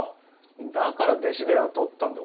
だから弟子で雇ったんだよ。